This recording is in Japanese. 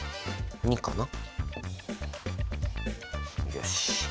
よし！